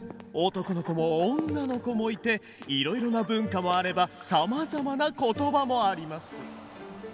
男の子も女の子もいていろいろな文化もあればさまざまな言葉もあります。